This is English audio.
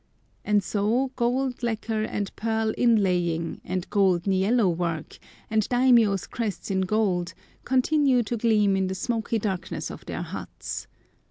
And so gold lacquer, and pearl inlaying, and gold niello work, and daimiyô's crests in gold, continue to gleam in the smoky darkness of their huts.